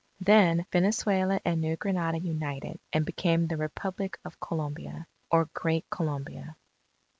Then Venezuela and New Granada united, and became the Republic of Colombia or Great Colombia.